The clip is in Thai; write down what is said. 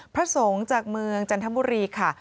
พระสงฆ์จากเมืองจันทบุรีค่ะ